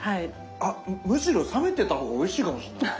あっむしろ冷めてた方がおいしいかもしんない。